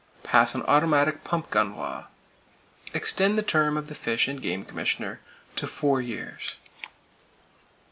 Pass an automatic pump gun law. Extend the term of the Fish and Game Commissioner to four years.